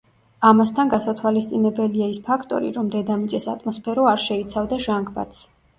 ამასთან გასათვალისწინებელია ის ფაქტორი, რომ დედამიწის ატმოსფერო არ შეიცავდა ჟანგბადს.